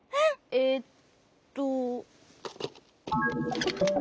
えっと。